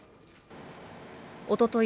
おととい